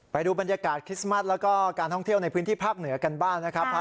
ไปดูบรรยากาศคริสต์มัสแล้วก็การท่องเที่ยวในพื้นที่ภาคเหนือกันบ้างนะครับ